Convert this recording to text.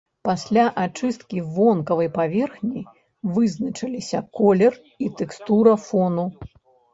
Пасля ачысткі вонкавай паверхні вызначаліся колер і тэкстура фону.